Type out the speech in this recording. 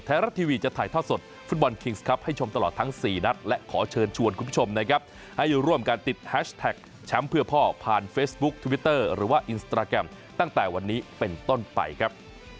ไทยรัฐทีวีจะถ่ายทอดสดฟุตบอลคิงส์ครับให้ชมตลอดทั้ง๔นัดและขอเชิญชวนคุณผู้ชมนะครับให้ร่วมกันติดแฮชแท็กแชมป์เพื่อพ่อผ่านเฟซบุ๊คทวิตเตอร์หรือว่าอินสตราแกรมตั้งแต่วันนี้เป็นต้นไปครับ